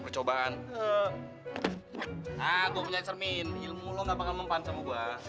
aku akan selalu menenangkanmu